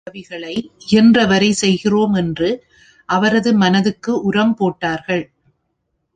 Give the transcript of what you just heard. எம்மாலான உதவிகளை இயன்றவரைச் செய்கிறோம் என்று அவரது மனதுக்கு உரம் போட்டார்கள்.